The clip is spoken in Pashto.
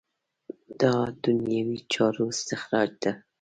دا دنیوي چارو استخراج ده.